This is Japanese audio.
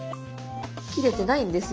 切れてないんですよ。